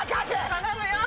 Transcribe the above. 頼むよ！